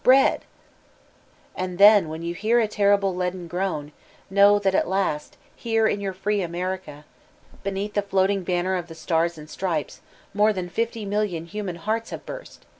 Bread 1'" And then, when you hear a terrible leaden groan, know that at last, here in your free America, be neath the floating banner of the stars and stripes, more than fifty million human hearts have burst